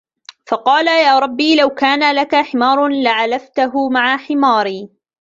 فَقَالَ يَا رَبِّ لَوْ كَانَ لَك حِمَارٌ لَعَلَفْته مَعَ حِمَارِي